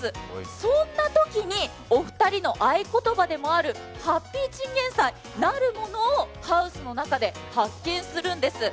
そんな時にお二人の合言葉でもある、ハッピーチンゲンサイなるものをハウスの中で発見するんです。